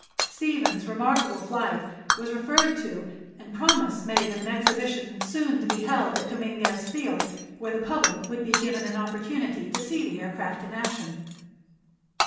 Stephen's remarkable flight was referred to and promise made of an exhibition soon to be held at Dominguez Field where the public would be given an opportunity to see the aircraft in action.